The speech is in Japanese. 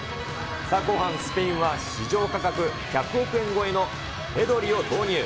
後半、スペインは市場価格１００億円超えのペドリを投入。